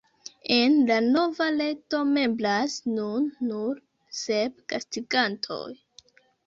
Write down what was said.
En la nova reto membras nun nur sep gastigantoj.